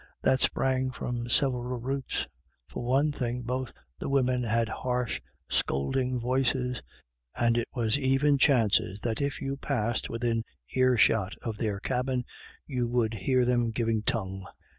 That sprang from several roots. For one thing, both the women had harsh, scolding voices, and it was even chances that if you passed within earshot of their cabin you would hear them giving tongue.